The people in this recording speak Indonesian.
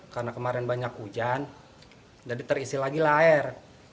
karena kemarin banyak hujan jadi terisi lagi lahir